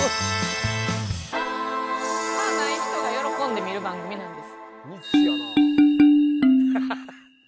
ない人が喜んで見る番組なんです